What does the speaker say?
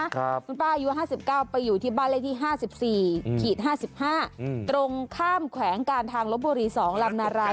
คุณป้าอายุ๕๙ไปอยู่ที่บ้านเลขที่๕๔๕๕ตรงข้ามแขวงการทางลบบุรี๒ลำนาราย